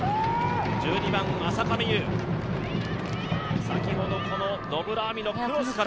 １２番の浅香美結、先ほど野村亜未のクロスから。